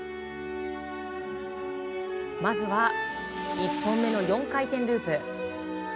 まずは１本目の４回転ループ。